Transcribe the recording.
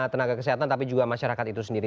tenaga kesehatan tapi juga masyarakat itu sendiri